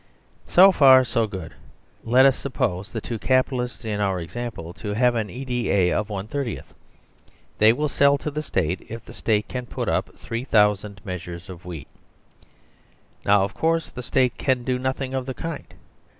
So far so good. Let us suppose the two Capitalists in our example to have an E.D.A. of one thirtieth. They will sell to the State if the State can put up 3000 measures of wheat. Now, of course, the State can do nothing of the kind.